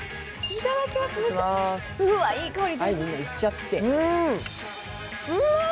うわ、いい香り。